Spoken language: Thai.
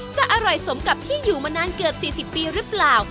จะอร่อยสมกับที่อยู่มานานเกือบ๔๐ปีหรือเปล่า